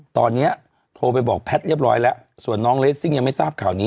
ตอนนี้โทรไปบอกแพทย์เรียบร้อยแล้วส่วนน้องเลสซิ่งยังไม่ทราบข่าวนี้